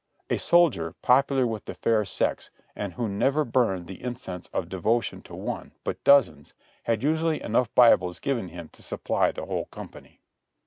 A soldier, pop ular with the fair sex, and who never burned the incense of de votion to one — but dozens — had usually enough Bibles given him to supply the whole company.